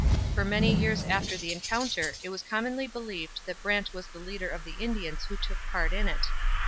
For many years after the encounter it was commonly believed that Brant was the leader of the Indians who took part in it.